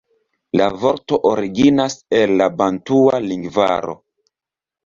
La vorto originas el la bantua lingvaro.